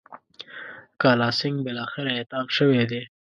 کالاسینګهـ بالاخره اعدام شوی دی.